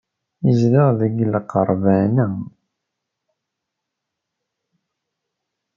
Yezdeɣ deg lqerban-a.